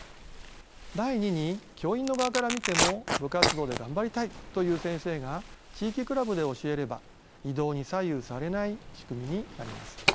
第二に教員の側から見ても部活動で頑張りたいという先生が地域クラブで教えれば異動に左右されない仕組みになります。